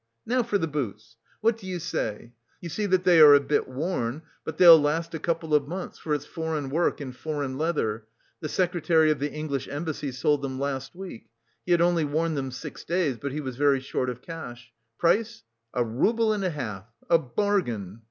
Now for the boots. What do you say? You see that they are a bit worn, but they'll last a couple of months, for it's foreign work and foreign leather; the secretary of the English Embassy sold them last week he had only worn them six days, but he was very short of cash. Price a rouble and a half. A bargain?"